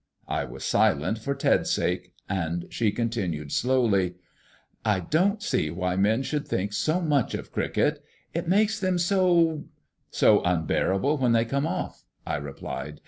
I was silent for Ted's sake, and she continued slowly: "I don't see why men should think so much of cricket. It makes them so " "So unbearable when they come off," I replied.